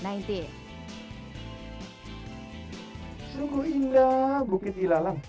sungguh indah bukit ilalang